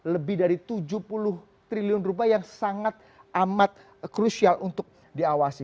lebih dari tujuh puluh triliun rupiah yang sangat amat krusial untuk diawasi